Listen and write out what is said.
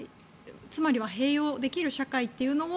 つまりは併用できる社会というのを